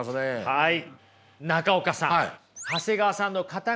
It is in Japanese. はい。